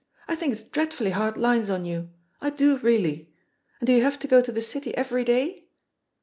I think it's dreadfully hard lines on you; I do really. And do you have to go to the City every day?"